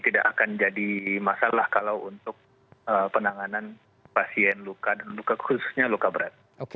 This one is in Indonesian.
tidak akan jadi masalah kalau untuk penanganan pasien luka dan luka khususnya luka berat